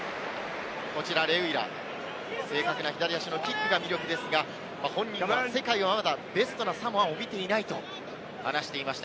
こちらレウイラ、正確な左足のキックが魅力ですが、本人は世界はまだベストなサモアを見ていないと話していました。